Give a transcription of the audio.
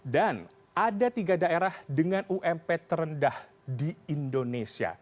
dan ada tiga daerah dengan ump terendah di indonesia